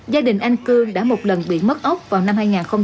gia đình anh cương đã một lần bị mất ốc vào năm hai nghìn hai mươi